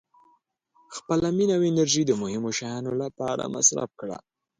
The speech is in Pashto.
• خپله مینه او انرژي د مهمو شیانو لپاره مصرف کړه.